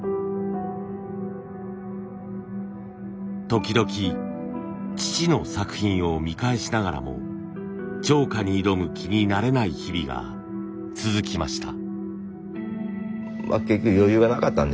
時々父の作品を見返しながらも貼花に挑む気になれない日々が続きました。